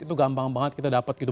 itu gampang banget kita dapat gitu